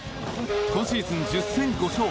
今シーズン１０戦５勝。